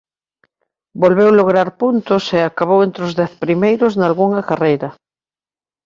Volveu lograr puntos e acabou entre os dez primeiros nalgunha carreira.